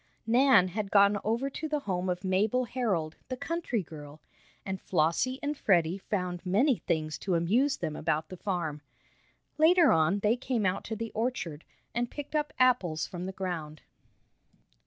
Nan had gone over to the home of Mabel Herold, the country girl, and Flossie and Freddie found many things to amuse them about the farm. Later on they came out to the orchard, and picked up apples from the ground.